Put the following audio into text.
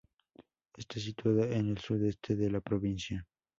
Está situada en el sudeste de la provincia.